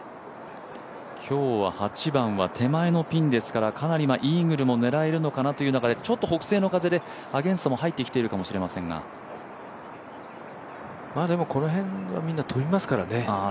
今日は８番は手間のピンですからイーグルも狙えるのかなというところでちょっと北西の風でアゲンストも入っているのかもしれませんがでも、この辺はみんな飛びますからね。